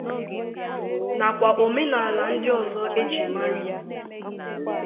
nakwa omenala ndị ọzọ e jiri mara Igbo.